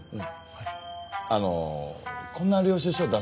はい？